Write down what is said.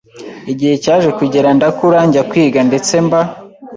igihe cyaje kugera ndakura njya kwiga ndetse mba